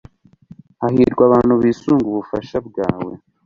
hahirwa abantu bisunga ububasha bwawe